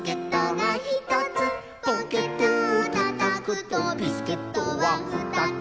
「ポケットをたたくとビスケットはふたつ」